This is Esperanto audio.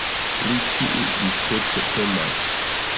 Pri kiu justico temas?